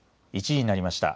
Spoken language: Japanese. １時になりました。